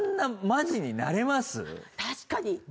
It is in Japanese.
確かに！